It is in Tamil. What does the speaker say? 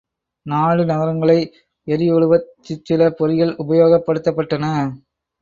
நாடு நகரங்களை எரிகொளுவச் சிற்சில பொறிகள் உபயோகப் படுத்தப்பட்டன.